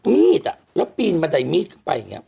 มีดอ่ะแล้วปีนบันไดมีดไปอย่างเงี้ย